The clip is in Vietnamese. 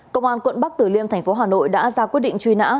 công an quận bắc tử liêm tp hà nội đã ra quyết định truy nã